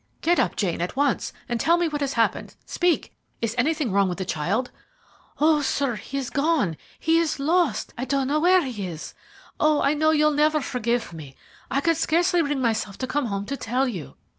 "Get up, Jane, at once, and tell me what has happened. Speak! Is anything wrong with the child?" "Oh, sir, he is gone he is lost! I don't know where he is. Oh, I know you'll never forgive me. I could scarcely bring myself to come home to tell you."